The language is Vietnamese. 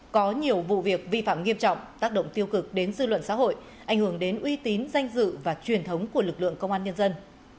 có nhiều vụ việc vi phạm nghiêm trọng tác động tiêu cực đến dư luận xã hội ảnh hưởng đến uy tín danh dự và truyền thống của lực lượng công an nhân dân